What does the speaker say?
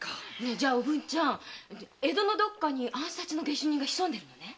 じゃあ江戸のどっかに暗殺の下手人が潜んでるのね？